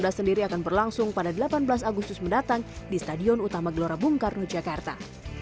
sendiri akan berlangsung pada delapan belas agustus mendatang di stadion utama gelora bung karno jakarta